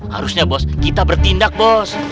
harusnya bos kita bertindak bos